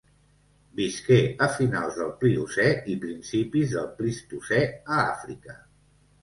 Visqué a finals del Pliocè i principis del Plistocè a Àfrica.